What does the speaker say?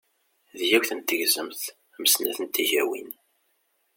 D yiwet n tegzemt m snat n tigawin.